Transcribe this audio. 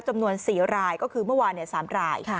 จำนวน๔รายก็คือเมื่อวาน๓ราย